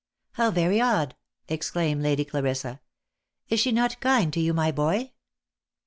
" How very odd !" exclaimed Lady Clarissa. " Is she not kind to you, my boy